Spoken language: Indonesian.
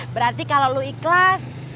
berarti kalo lu ikhlas